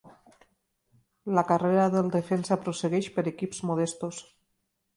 La carrera del defensa prossegueix per equips modestos.